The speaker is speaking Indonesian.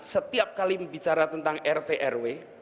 setiap kali bicara tentang rt rw